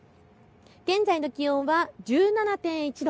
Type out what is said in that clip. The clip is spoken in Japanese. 現在の気温は１７．１度。